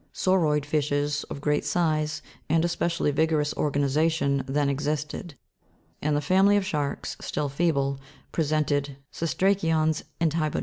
Sauroid fishes, of great size, and of especially vigorous organization, then existed ; and the family of sharks, still feeble, presented cestra'cions and hybo dons (Jigs.